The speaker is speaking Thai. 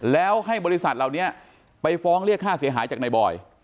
แล้วให้บริษัทเหล่านี้ไปฟ้องเรียกค่าเสียหายจากนายบอย